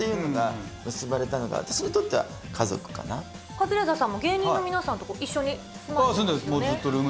カズレーザーさんも芸人の皆さんと一緒に。